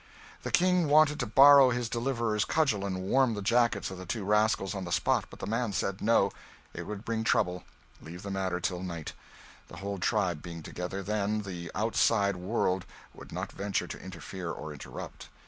The King wanted to borrow his deliverer's cudgel and warm the jackets of the two rascals on the spot; but the man said no, it would bring trouble leave the matter till night; the whole tribe being together, then, the outside world would not venture to interfere or interrupt.